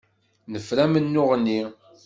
Nefra amennuɣ-nni.